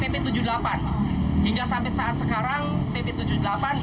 pp tujuh puluh delapan hingga sampai saat sekarang